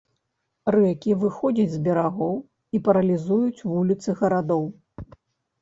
Рэкі выходзяць з берагоў і паралізуюць вуліцы гарадоў.